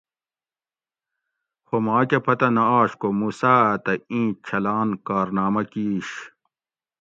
خو ماکہ پتہ نہ آش کو موسیٰ ھہ تہ ایں چھلان کارنامہ کیش